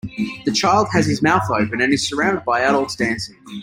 The child has his mouth open and is surrounded by adults dancing.